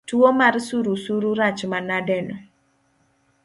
Tuo mar surusuru rach manadeno